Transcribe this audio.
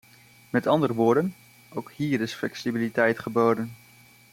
Met andere woorden, ook hier is flexibiliteit geboden.